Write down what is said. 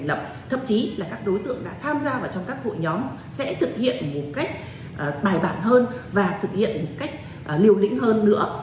liều lĩnh hơn nữa